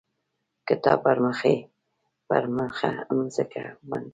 کتاب پړمخې پر مځکه باندې،